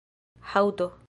haŭto